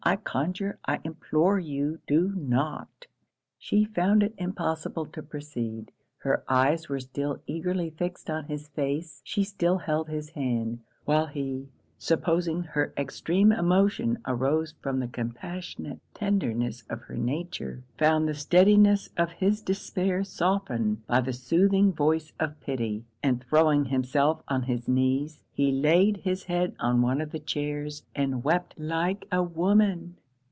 I conjure, I implore you do not!' She found it impossible to proceed. Her eyes were still eagerly fixed on his face; she still held his hand; while he, supposing her extreme emotion arose from the compassionate tenderness of her nature, found the steadiness of his despair softened by the soothing voice of pity, and throwing himself on his knees, he laid his head on one of the chairs, and wept like a woman.